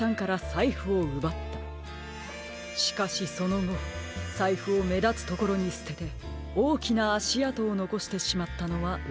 しかしそのごさいふをめだつところにすてておおきなあしあとをのこしてしまったのはうかつでしたね。